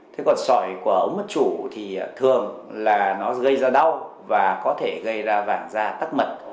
thế còn sỏi của ống mất chủ thì thường là nó gây ra đau và có thể gây ra vàng da tắc mật